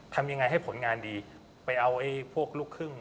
ทำยังไงให้ผลงานดีไปเอาพวกลูกครึ่ง